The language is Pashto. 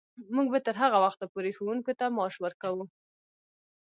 موږ به تر هغه وخته پورې ښوونکو ته معاش ورکوو.